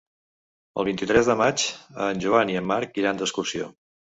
El vint-i-tres de maig en Joan i en Marc iran d'excursió.